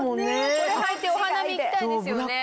これ履いてお花見行きたいですよね。